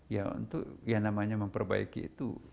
ya untuk yang namanya memperbaiki itu